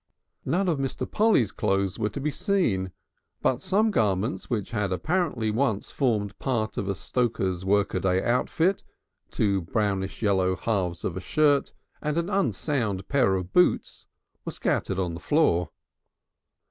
None of Mr. Polly's clothes were to be seen, but some garments which had apparently once formed part of a stoker's workaday outfit, two brownish yellow halves of a shirt, and an unsound pair of boots were scattered on the floor.